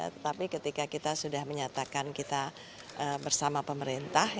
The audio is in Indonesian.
tetapi ketika kita sudah menyatakan kita bersama pemerintah